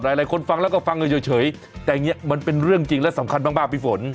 หลายคนฟังแล้วก็ฟังกันเฉยแต่อย่างนี้มันเป็นเรื่องจริงและสำคัญมากพี่ฝน